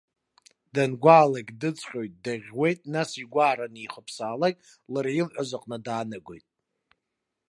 Дангәаалак, дыҵҟьоит, даӷьуеит, нас, игәаара анихыԥсаалак, лара илҳәаз аҟны даанагоит.